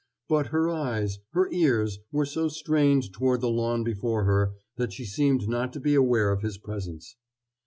But her eyes, her ears, were so strained toward the lawn before her, that she seemed not to be aware of his presence.